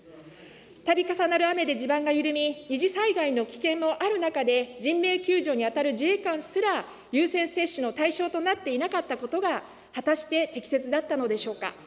たび重なる雨で地盤が緩み、二次災害の危険もある中で、人命救助に当たる自衛官すら、優先接種の対象となっていなかったことが、果たして適切だったのでしょうか。